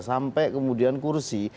sampai kemudian kursi